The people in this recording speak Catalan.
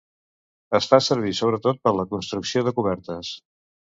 Es fa servir sobretot per la construcció de cobertes.